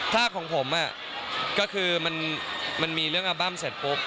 ถ้าของผมก็คือมันมีเรื่องอัลบั้มเสร็จปุ๊บ